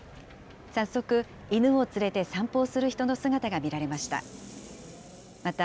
早速、犬を連れて散歩をする人の姿が見られました。